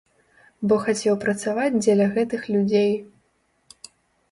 Бо хацеў працаваць дзеля гэтых людзей.